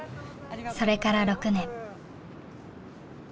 それから６年。